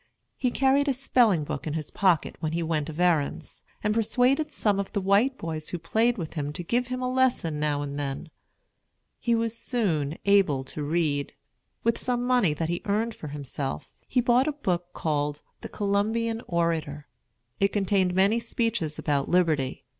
He carried a spelling book in his pocket when he went of errands, and persuaded some of the white boys who played with him to give him a lesson now and then. He was soon able to read. With some money that he earned for himself, he bought a book called "The Columbian Orator." It contained many speeches about liberty.